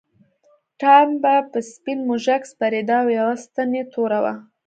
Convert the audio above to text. ټام به په سپین موږک سپرېده او یوه ستن یې توره وه.